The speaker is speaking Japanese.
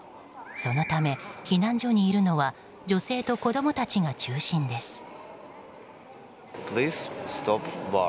そのため、避難所にいるのは女性と子供たちが中心です。